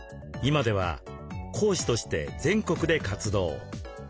今では講師として全国で活動。